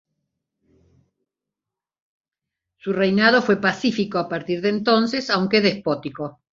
Su reinado fue pacífico a partir de entonces, aunque despótico.